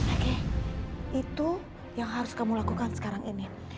oke itu yang harus kamu lakukan sekarang ini